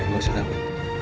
mas al takut